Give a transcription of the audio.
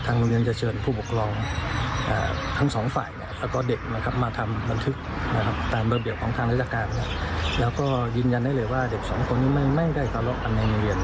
โรงเรียนจะเชิญผู้ปกครองทั้งสองฝ่ายแล้วก็เด็กนะครับมาทำบันทึกนะครับตามระเบียบของทางราชการแล้วก็ยืนยันได้เลยว่าเด็กสองคนนี้ไม่ได้ทะเลาะกันในโรงเรียน